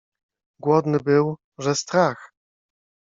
Głodny był, że strach.